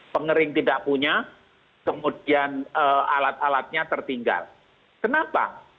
pengering tidak punya kemudian alat alatnya tertinggal kenapa